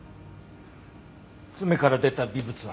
爪から出た微物は？